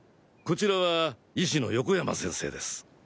こちらは医師の横山先生です。